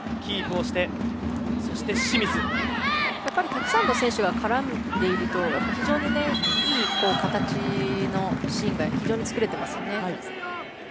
たくさんの選手が絡んでいると非常にいい形のシーンが作れていますよね。